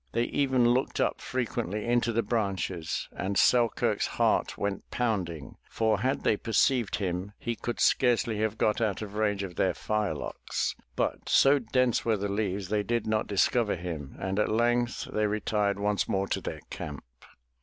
They even looked up frequently into the branches and Selkirk's heart went pounding, for had they perceived him, he could scarcely have got out of range of their firelocks, but so dense were the leaves they did not discover him and at length they retired once more to their camp.